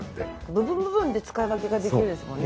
部分部分で使い分けができるんですもんね。